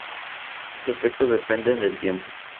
Estos efectos dependen del tiempo.